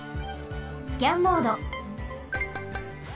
スキャンモード。